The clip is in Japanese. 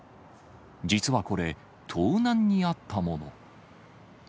実はこれ、盗難に遭ったもの。